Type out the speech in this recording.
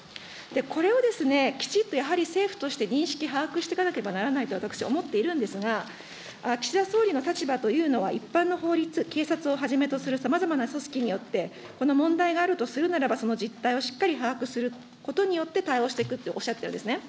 これをきちっとやはり政府として認識、把握していかなければならないと私、思っているんですが、岸田総理の立場というのは、一般の法律、警察をはじめとするさまざまな組織によって、この問題があるとするならばその実態をしっかり把握することによって、対応していくっておっしゃってるんですね。